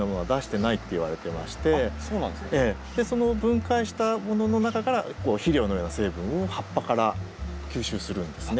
その分解したものの中から肥料のような成分を葉っぱから吸収するんですね。